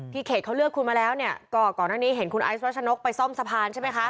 ที่เขตเค้าเลือกคุณมาแล้วก่อนหน้านี้เห็นคุณไอซรัชนนกไปซ่อมสะพาน